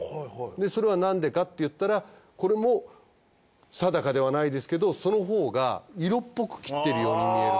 でそれはなんでかっていったらこれも定かではないですけどそのほうが色っぽく斬ってるように見える。